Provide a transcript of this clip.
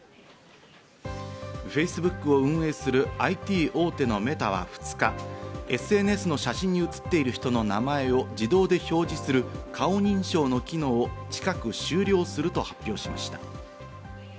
Ｆａｃｅｂｏｏｋを運営するＩＴ大手のＭｅｔａは２日、ＳＮＳの写真に写っている人の名前を自動で表示する顔認証の機能を近く終了すると発表しました。